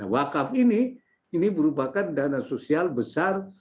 wakaf ini ini merupakan dana sosial besar